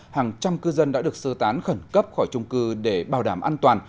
hàng trăm cư dân đã được sơ tán khẩn cấp khỏi trung cư để bảo đảm an toàn